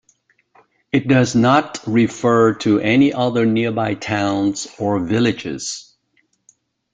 It does not refer to any other nearby towns or villages.